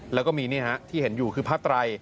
แล้วก็มีนี่ฮะที่เห็นอยู่คือผ้าไตร